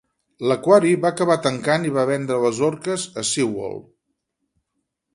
L'aquari va acabar tancant i va vendre les orques a SeaWorld.